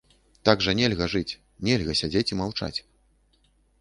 Так жа нельга жыць, нельга сядзець і маўчаць.